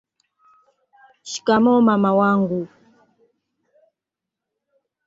shikamoo mama wangu